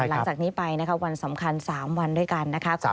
หลังจากนี้ไปวันสำคัญ๓วันด้วยกัน